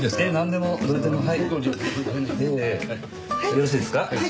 よろしいですか？